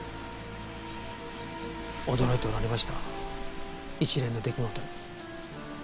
驚いておられました一連の出来事に。